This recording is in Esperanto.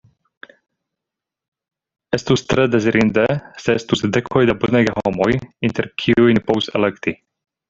Estus tre dezirinde se estus dekoj da bonegaj homoj inter kiuj ni povus elekti.